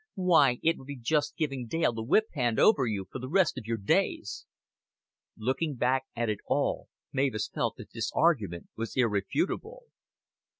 Why, it would be just giving Dale the whip hand over you for the rest of your days." Looking back at it all, Mavis felt that this argument was irrefutable.